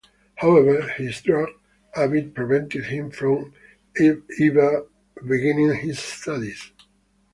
However, his drug habit prevented him from ever beginning his studies.